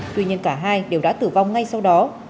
tuy nhiên cả hai đều đã tử vong ngay sau đó